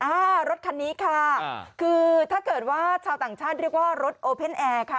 รถคันนี้ค่ะคือถ้าเกิดว่าชาวต่างชาติเรียกว่ารถโอเพ่นแอร์ค่ะ